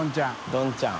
どんちゃん。